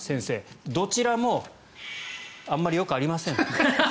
どちらもあまりよくありません。